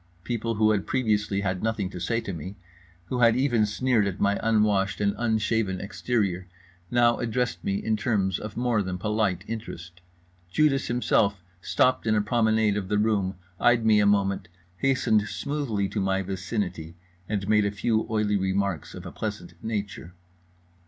People who had previously had nothing to say to me, who had even sneered at my unwashed and unshaven exterior, now addressed me in terms of more than polite interest. Judas himself stopped in a promenade of the room, eyed me a moment, hastened smoothly to my vicinity, and made a few oily remarks of a pleasant nature.